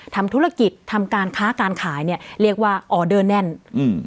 ทำธุรกิจทำการค้าการขายเนี้ยเรียกว่าออเดอร์แน่นอืม